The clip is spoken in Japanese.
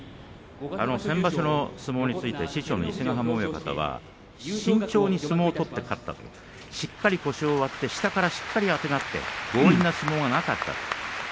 先場所の相撲について師匠の伊勢ヶ濱親方は慎重に相撲を取って勝ったとしっかり腰を割って下からあてがって強引な相撲がなかった。